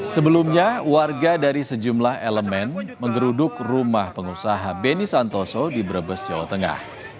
sebelumnya warga dari sejumlah elemen menggeruduk rumah pengusaha beni santoso di brebes jawa tengah